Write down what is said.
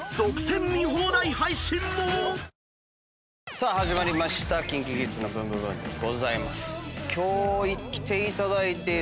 さあ始まりました『ＫｉｎＫｉＫｉｄｓのブンブブーン！』です。